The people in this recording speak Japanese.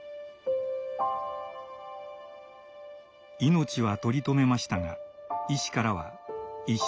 命は取り留めましたが医師からは「一生植物状態。